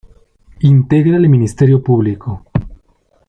Integra el Ministerio Público.